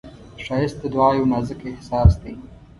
ښایست د دعا یو نازک احساس دی